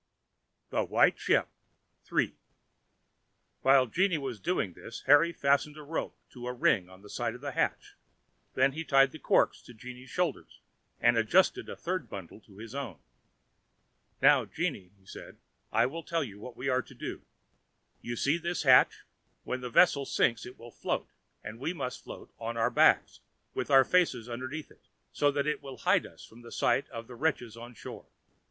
THE WHITE SHIP.—III. While Jeanne was doing this, Harry fastened a rope to a ring in the side of the hatch; then he tied the corks on to Jeanne's shoulders, and adjusted the third bundle to his own. "Now, Jeanne," he said, "I will tell you what we are to do. You see this hatch; when the vessel sinks it will float, and we must float on our backs with our faces underneath it, so that it will hide us from the sight of the wretches on shore.